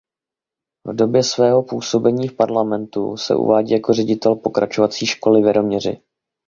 V době svého působení v parlamentu se uvádí jako ředitel pokračovací školy v Jaroměři.